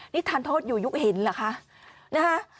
นี่ทานโทษอยู่ยุคหินเหรอคะนะคะ